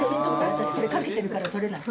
私これかけてるから撮れない。